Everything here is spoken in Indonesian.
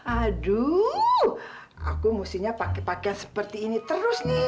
aduh aku mestinya pake pakean seperti ini terus nih